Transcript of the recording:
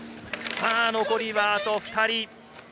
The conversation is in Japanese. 残りあと２人。